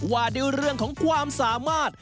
ว่าด้วยเรื่องของความสามารถ